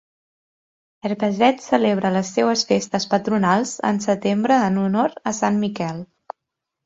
Herbeset celebra les seues festes patronals en setembre en honor a Sant Miquel.